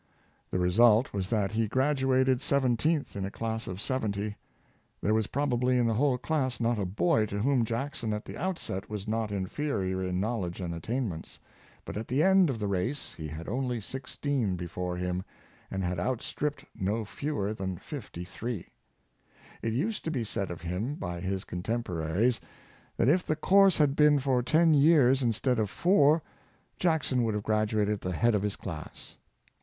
The result was that he graduated seven teenth in a class of seventy. There was probably in the whole class not a boy to whom Jackson at the out set was not inferior in knowledge and attainments; but at the end of the race he had only sixteen before him, and had outstripped no fewer than fifty three. It used 830 Perseverance. to be said of him by his contemporaries, that if the course had been for ten years instead of four, Jackson would have graduated at the head of his class."